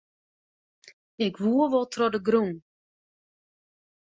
Ik woe wol troch de grûn.